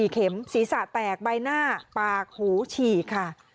เข็มศีรษะแตกใบหน้าปากหูฉีกค่ะ